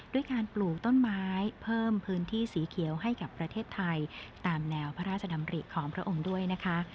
ด้วยการปลูกต้นไม้เพิ่มพื้นที่สีเขียวให้กับประเทศไทยตามแนวพระราชดำริของพระองค์ด้วยนะคะ